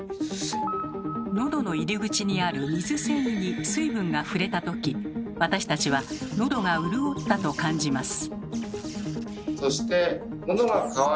のどの入り口にある水線維に水分が触れた時私たちはのどが潤ったと感じます。